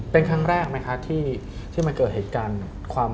เป็นครั้งแรกไหมคะที่มันเกิดเหตุการณ์ความ